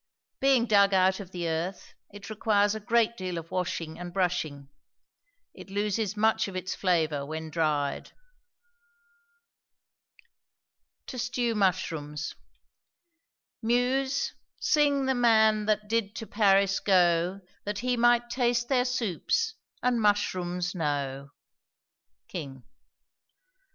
Being dug out of the earth, it requires a great deal of washing and brushing. It loses much of its flavor when dried. TO STEW MUSHROOMS. Muse, sing the man that did to Paris go, That he might taste their soups and mushrooms know. KING.